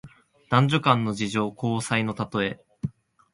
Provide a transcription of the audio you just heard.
男女間の情事、交接のたとえ。